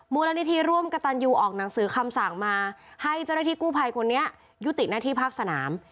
มูลนิธิร่วมกระตันยูออกหนังสือคำสั่งมาให้เจ้าหน้าที่กู้ภัยคนนี้ยุติหน้าที่ภาคสนาม